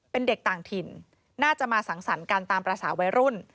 เป็นเด็กต่างถิ่นน่าจะมาสังสรรค์กันตามภาษาวัยรุ่น